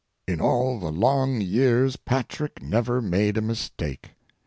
In all the long years Patrick never made a mistake.